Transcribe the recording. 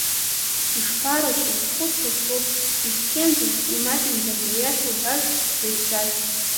Ишԥарацәоу, схәыцуа стәоуп, сызхьымӡаз, имаҷымзаргь, аиаша уҳәар, сзыхьӡаз.